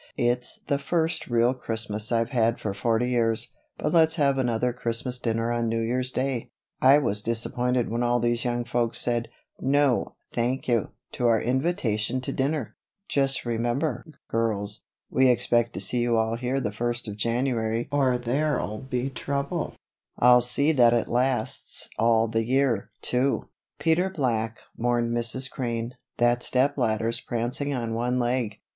It's the first real Christmas I've had for forty years but let's have another Christmas dinner on New Year's Day; I was disappointed when all these young folks said, 'No, thank you,' to our invitation to dinner. Just remember, girls, we expect to see you all here the first of January or there'll be trouble I'll see that it lasts all the year, too." "Peter Black," warned Mrs. Crane, "that step ladder's prancing on one leg.